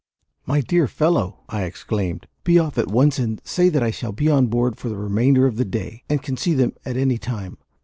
"My dear fellow," I exclaimed, "be off at once, and say that I shall be on board for the remainder of the day, and can see them at any time.